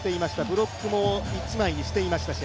ブロックも一枚にしていましたし